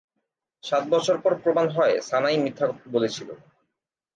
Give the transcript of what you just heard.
সাত বছর পর প্রমাণ হয় সানাই মিথ্যা বলেছিল।